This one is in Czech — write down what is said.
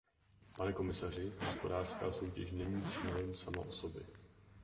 Pane komisaři, hospodářská soutěž není cílem sama o sobě.